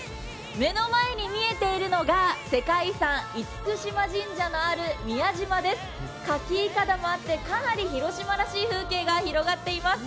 目の前に見えているのが世界遺産・厳島神社がある宮島ですかきいかだもあって、かなり広島らしい風景が広がっています。